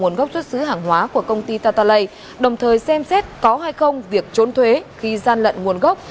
cơ quan hải quan đang xác định hành vi giả mạo nguồn gốc xuất xứ của công ty tatalay đồng thời xem xét có hay không việc trốn thuế khi gian lận nguồn gốc